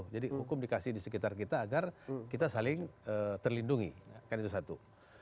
jadi hukum dikasih di sekitar kita agar kita saling terlindungi kan itu satu